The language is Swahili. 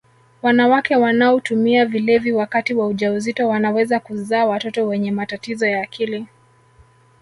wanawake wanaotumia vilevi wakati wa ujauzito wanaweza kuzaa watoto wenye matatizo ya akili